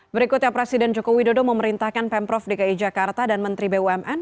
berikutnya presiden joko widodo memerintahkan pemprov dki jakarta dan menteri bumn